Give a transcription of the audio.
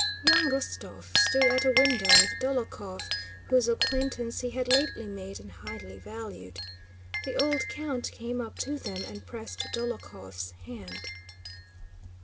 Young Rostóv stood at a window with Dólokhov, whose acquaintance he had lately made and highly valued. The old count came up to them and pressed Dólokhov's hand.